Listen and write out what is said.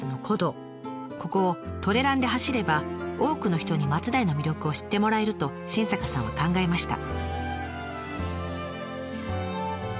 ここをトレランで走れば多くの人に松代の魅力を知ってもらえると新坂さんは考えました。